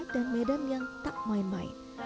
dan medan yang tak main main